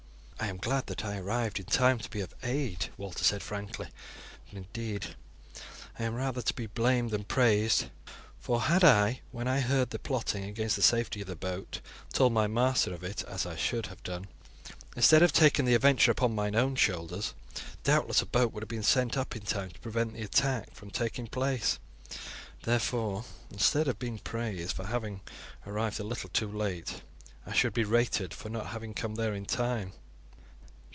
"I am glad that I arrived in time to be of aid," Walter said frankly; "but indeed I am rather to be blamed than praised, for had I, when I heard the plotting against the safety of the boat, told my master of it, as I should have done, instead of taking the adventure upon mine own shoulders, doubtless a boat would have been sent up in time to prevent the attack from taking place. Therefore, instead of being praised for having arrived a little too late, I should be rated for not having come there in time."